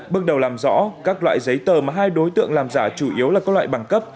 bước đầu làm rõ các loại giấy tờ mà hai đối tượng làm giả chủ yếu là các loại bằng cấp